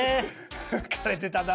浮かれてたなぁ。